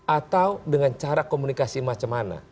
atau dengan cara komunikasi macam mana